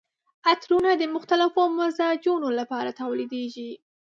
عطرونه د مختلفو مزاجونو لپاره تولیدیږي.